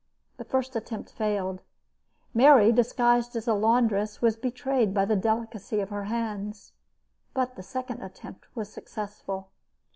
The first attempt failed. Mary, disguised as a laundress, was betrayed by the delicacy of her hands. But a second attempt was successful.